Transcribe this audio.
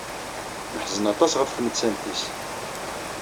Neḥzen aṭas ɣef tmettant-nnes.